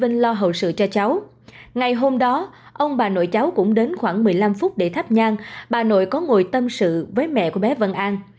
ngày hôm đó ông bà nội cháu cũng đến khoảng một mươi năm phút để thắp nhan bà nội có ngồi tâm sự với mẹ của bé vân an